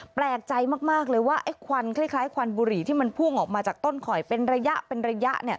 แปลกใจมากเลยว่าไอ้ควันคล้ายควันบุหรี่ที่มันพุ่งออกมาจากต้นข่อยเป็นระยะเป็นระยะ